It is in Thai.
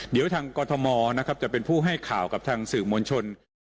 เดี๋ยวทางกรทมนะครับจะเป็นผู้ให้ข่าวกับทางสื่อมวลชน